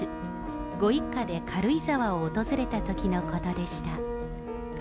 ご一家で軽井沢を訪れたときのことでした。